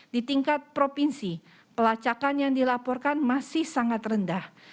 di tingkat provinsi pelacakan yang dilaporkan masih sangat rendah